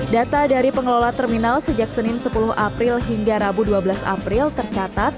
data dari pengelola terminal sejak senin sepuluh april hingga rabu dua belas april tercatat